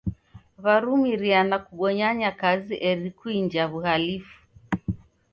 W'arumiriane kubonyanya kazi eri kuinja w'uhalifu.